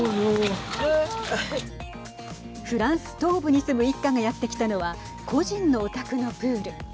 フランス東部に住む一家がやって来たのは個人のお宅のプール。